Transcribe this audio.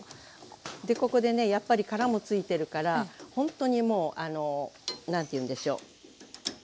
ここでねやっぱり殻も付いてるからほんとにもうあの何ていうんでしょう